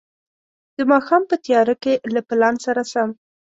د ماښام په تياره کې له پلان سره سم.